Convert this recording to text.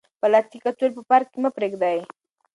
پلاستیکي کڅوړې په پارک کې مه پریږدئ.